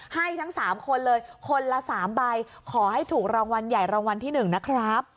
ให้ทั้ง๓คนเลยคนละ๓ใบขอให้ถูกรางวัลใหญ่รางวัลที่๑นะครับ